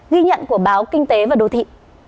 ghi nhận của báo kinh tế và đô thị